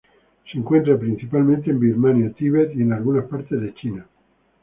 Se encuentra principalmente en Birmania, Tíbet y en algunas partes de China.